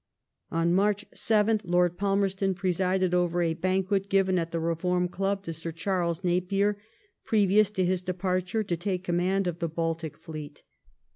On March 7th, Lord Palmerston presided over a banquet given at the Beform Club to Sir Charles Napier, previous to his departure to take com mand of the fialtic fleet.